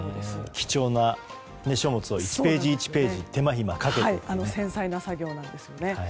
貴重な書物を１ページ１ページ繊細な作業なんですよね。